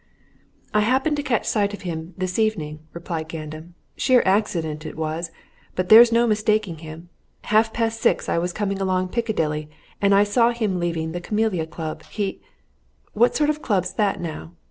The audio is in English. "I happened to catch sight of him this evening," replied Gandam. "Sheer accident it was but there's no mistaking him. Half past six I was coming along Piccadilly, and I saw him leaving the Camellia Club. He " "What sort of a club's that, now?"